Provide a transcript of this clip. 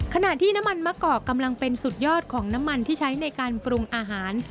ขณะที่น้ำมันมะกอกกำลังเป็นสุดยอดของน้ำมันที่ใช้ในการปรุงอาหาร